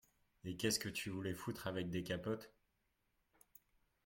Et qu’est-ce que tu voulais foutre avec des capotes ?